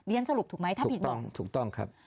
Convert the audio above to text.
เรียนสรุปถูกไหมถ้าผิดบอก